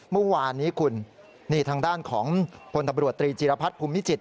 เมื่อวานนี้คุณนี่ทางด้านของพลตำรวจตรีจีรพัฒน์ภูมิจิต